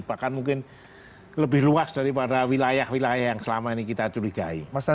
bahkan mungkin lebih luas daripada wilayah wilayah yang selama ini kita curigai